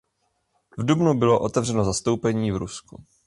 V dubnu bylo otevřeno zastoupení v Rusku.